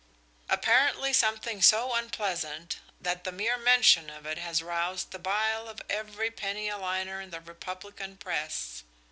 "Apparently something so unpleasant that the mere mention of it has roused the bile of every penny a liner in the Republican press.